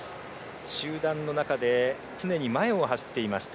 集団の中で常に前を走っていました。